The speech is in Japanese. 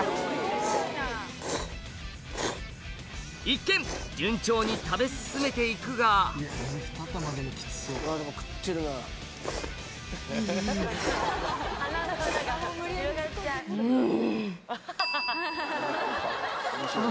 一見順調に食べ進めて行くがうん。